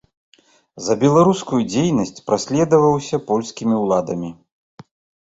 За беларускую дзейнасць праследаваўся польскімі ўладамі.